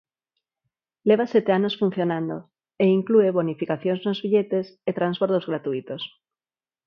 Leva sete anos funcionando e inclúe bonificacións nos billetes e transbordos gratuítos.